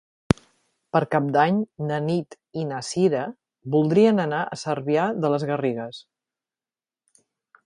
Per Cap d'Any na Nit i na Sira voldrien anar a Cervià de les Garrigues.